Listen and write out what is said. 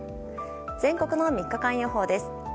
全国の３日間予報です。